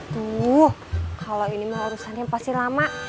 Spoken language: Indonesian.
tuh kalau ini mah urusan yang pasti lama